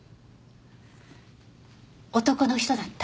男の人だった？